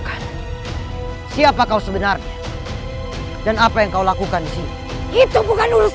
kali ini kau beruntung bisa menghindar dari maut